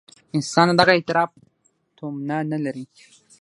انسان د دغه اعتراف تومنه نه لري.